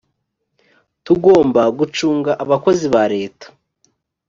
tugomba gucunga abakozi ba leta